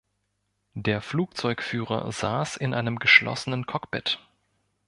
Der Flugzeugführer saß in einem geschlossenen Cockpit.